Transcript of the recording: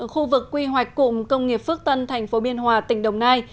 khu vực quy hoạch cụm công nghiệp phước tân tp biên hòa tỉnh đồng nai